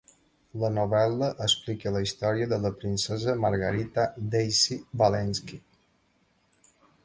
La novel·la explica la història de la princesa Margarita "Daisy" Valensky.